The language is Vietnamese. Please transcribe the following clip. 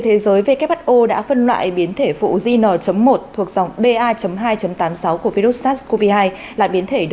tại kigali của ruhr